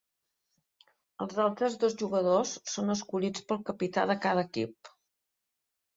Els altres dos jugadors són escollits pel capità de cada equip.